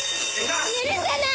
許さない！